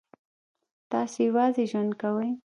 تاسو یوازې ژوند کوئ؟